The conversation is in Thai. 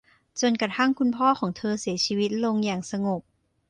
จนกระทั่งคุณพ่อของเธอเสียชีวิตลงอย่างสงบ